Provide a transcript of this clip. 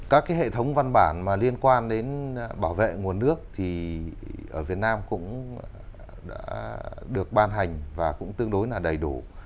các hệ thống văn bản mà liên quan đến bảo vệ nguồn nước thì ở việt nam cũng đã được ban hành và cũng tương đối là đầy đủ